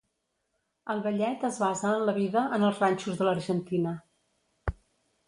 El ballet es basa en la vida en els ranxos de l'Argentina.